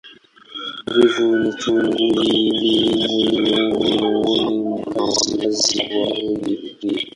Uvuvi ni shughuli muhimu miongoni mwa wakazi wa eneo hili.